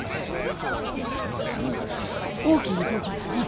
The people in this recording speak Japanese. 大きいとこやね。